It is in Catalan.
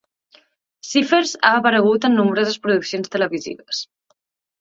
Cyphers ha aparegut en nombroses produccions televisives.